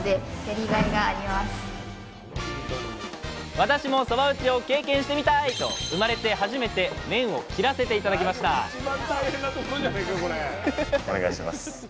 私もそば打ちを経験してみたい！と生まれて初めて麺を切らせて頂きましたお願いします！